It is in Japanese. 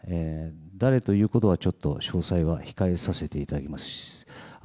誰ということは、ちょっと詳細は控えさせていただきます。